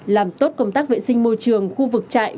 làm tốt công tác vệ sinh môi trường khu vực trại